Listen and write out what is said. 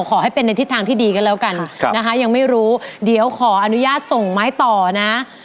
ขอให้เป็นในทิศทางที่ดีกันแล้วกัน